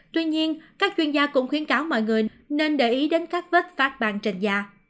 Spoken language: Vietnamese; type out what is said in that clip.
tuy nhiên các chuyên gia cũng khuyến cáo mọi người nên để ý đến các vết phát ban trên da